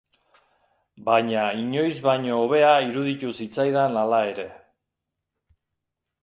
Baina inoiz baino hobea iruditu zitzaidan, hala ere.